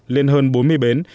lên hơn bốn mươi bến